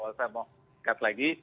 kalau saya mau lihat lagi